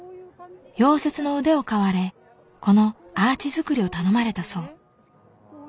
溶接の腕を買われこのアーチ作りを頼まれたそう。